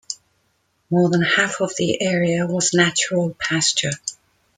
More than half of the area was natural pasture.